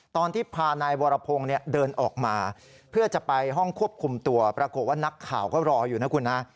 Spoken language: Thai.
ตอนที่พานายวรพงศ์เดินออกมาเพื่อจะไปห้องควบคุมตัวปรากฏว่านักข่าวก็รออยู่นะคุณฮะ